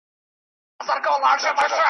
سپرلی راتلو واله دی پام زړګیه